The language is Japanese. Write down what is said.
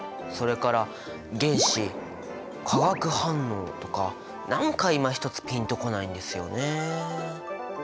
それから原子化学反応とか何かいまひとつピンと来ないんですよね。